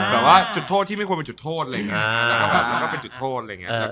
แบบว่าห์จุดโทษที่ไม่ควรเป็นจุดโทษต่อต่อเป็นจุดโทษ